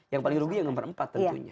yang paling rugi yang nomor empat tentunya